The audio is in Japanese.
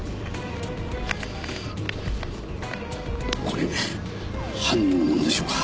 これ犯人のものでしょうか？